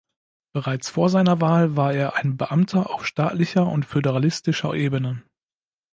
Bereits vor seiner Wahl war er ein Beamter auf staatlicher und föderalistischer Ebene.